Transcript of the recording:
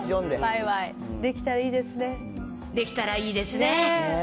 できたらいいですね。